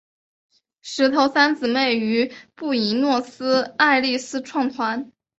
石头三姊妹于布宜诺斯艾利斯创团。